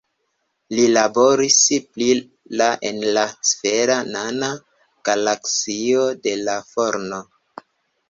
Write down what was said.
Li laboris pri la en la sfera nana galaksio de la Forno.